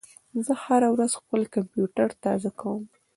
زه هره ورځ خپل کمپیوټر تازه کوم.